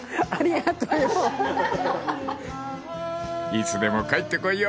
［いつでも帰ってこいよ！］